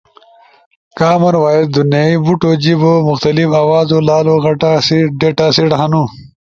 کامن وائس دونئی بوتو جیبو مختلف آوازو لالو غٹ ڈیٹاسیٹ ہنو